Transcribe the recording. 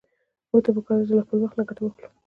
موږ ته په کار ده چې له خپل وخت نه ګټه واخلو.